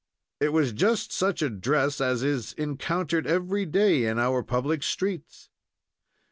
It was just such a dress as is encountered every day in our public streets.